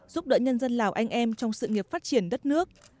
giúp đỡ nhân dân lào anh em trong sự nghiệp phát triển đất nước